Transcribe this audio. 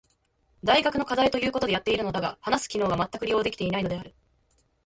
大学の課題と言うことでやっているのだが話す機能がまったく利用できていないのである。